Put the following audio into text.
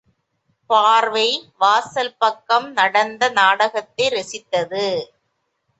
பார்வை வாசல் பக்கம் நடந்த நாடகத்தை இரசித்தது.